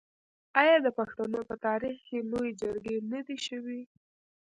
آیا د پښتنو په تاریخ کې لویې جرګې نه دي شوي؟